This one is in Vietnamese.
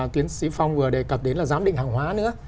tiến sĩ phong vừa đề cập đến là giám định hàng hóa nữa